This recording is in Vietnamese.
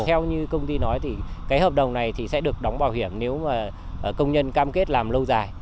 theo như công ty nói thì cái hợp đồng này thì sẽ được đóng bảo hiểm nếu mà công nhân cam kết làm lâu dài